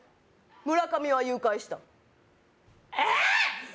村上は誘拐したえっ！